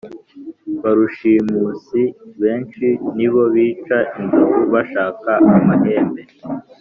Ba rushimusi benshi nibo bica inzovu bashaka amahembe